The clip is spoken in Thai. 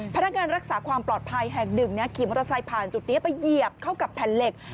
พนักงานรักษาความปลอดภัยแห่งหนึ่งขี่มอเตอร์ไซค์ผ่านจุดนี้ไปเหยียบเข้ากับแผ่นเหล็ก